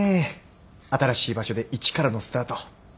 新しい場所で一からのスタート。